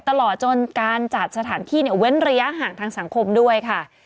ตลอดจนการจัดสถานที่เว้นระยะห่างทางสังคมด้วยค่ะ